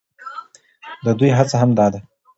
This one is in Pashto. د دوى هڅه هم دا ده،